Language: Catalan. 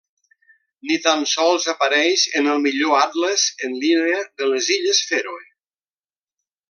Ni tan sols apareix en el millor atles en línia de les illes Fèroe.